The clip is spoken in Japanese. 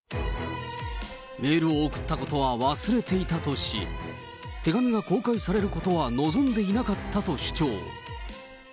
メールを送ったことは忘れていたとし、手紙が公開されることは望んでいなかったと主張。